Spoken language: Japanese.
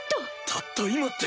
たった今って。